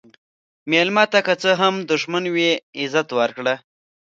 مېلمه ته که څه هم دښمن وي، عزت ورکړه.